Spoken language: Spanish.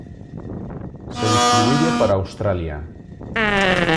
Se distribuye por Australia.